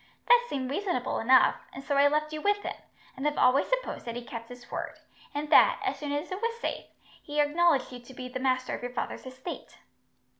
That seemed reasonable enough, and so I left you with him, and have always supposed that he kept his word; and that, as soon as it was safe, he acknowledged you to be master of your father's estate."